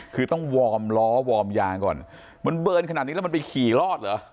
คือต้องวอร์มล้อวอร์มยางก่อนมันเบิร์นขนาดนี้แล้วมันไปขี่รอดเหรอ